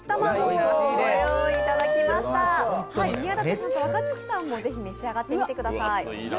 宮舘さんと若槻さんもぜひ召し上がってみてください。